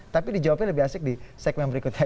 tapi dijawabnya lebih asik di segmen berikutnya